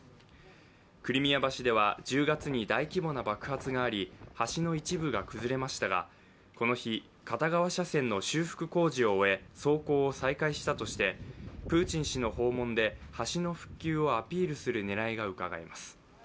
クリミア橋では、１０月に大規模な爆発があり橋の一部が崩れましたが、この日、片側車線の修復工事を終え走行を再開したとしてプーチン氏の訪問で橋の復旧をアピールする狙いがうかがえます。